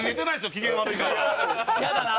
機嫌悪いから。